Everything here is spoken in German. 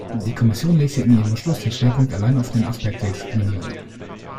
Die Kommission legt in ihrem Beschluss den Schwerpunkt allein auf den Aspekt der Diskriminierung.